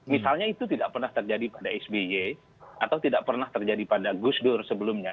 misalnya itu tidak pernah terjadi pada sby atau tidak pernah terjadi pada gus dur sebelumnya